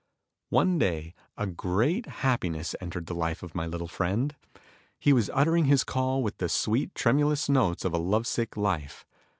One day a great happiness entered the life of my little friend. He was uttering his call with the sweet tremulous notes of a love sick life.